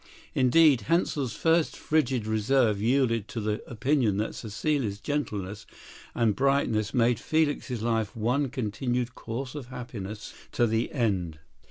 Indeed, Hensel's first frigid reserve yielded to the opinion that Cécile's gentleness and brightness made Felix's life one continued course of happiness to the end.